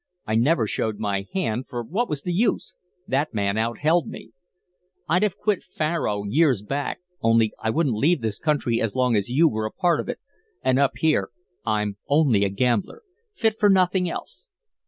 I never showed my hand, for what was the use? That man outheld me. I'd have quit faro years back only I wouldn't leave this country as long as you were a part of it, and up here I'm only a gambler, fit for nothing else.